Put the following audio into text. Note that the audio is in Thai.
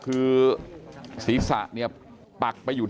กลุ่มตัวเชียงใหม่